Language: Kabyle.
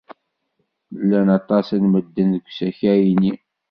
Llan aṭas n medden deg usakal-nni.